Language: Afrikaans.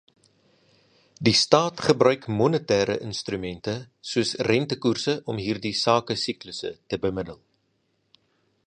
Die staat gebruik monetêre instrumente soos rentekoerse om hierdie sakesiklusse te bemiddel.